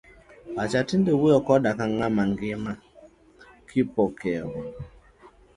Pacha tinde wuoyo koda ka ng'ama ngima, Kipokeo.